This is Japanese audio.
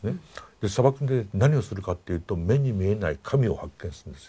で砂漠で何をするかっていうと目に見えない神を発見するんです。